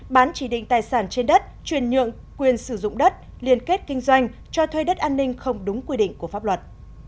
bán chỉ định tài sản trên đất truyền nhượng quyền sử dụng đất liên kết kinh doanh cho thuê đất an ninh không đúng quy định của pháp luật